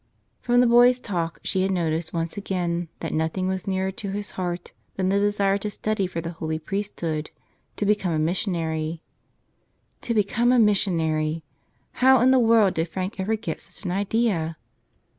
From the boy's talk she had noticed once again that nothing was nearer to his heart than the desire to study for the holy priesthood, to become a missionary. To become a missionary! How in the world did Frank ever get such an idea?